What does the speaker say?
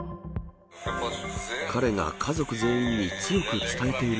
彼が家族全員に強く伝えてい